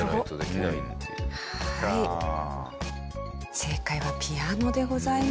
正解はピアノでございました。